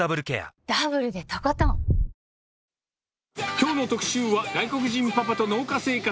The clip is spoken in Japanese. きょうの特集は、外国人パパと農家生活。